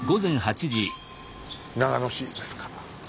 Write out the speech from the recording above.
長野市ですか。